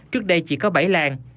trước đây chỉ có bảy làng